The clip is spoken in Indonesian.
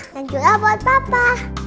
dan juga buat papa